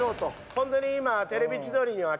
ホントに今。